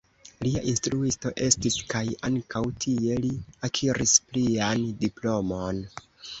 Lia instruisto estis kaj ankaŭ tie li akiris plian diplomon.